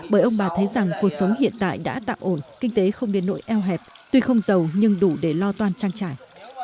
bởi ông bà thấy rằng cuộc sống hiện tại đã tạm ổn kinh tế không đến nỗi eo hẹp tuy không giàu nhưng đủ để lo toan trang trải